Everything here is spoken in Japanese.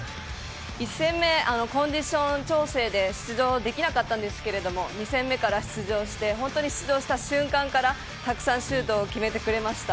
１戦目、コンディション調整で出場できなかったんですけども２戦目から出場して、出場した瞬間からたくさんシュートを決めてくれました。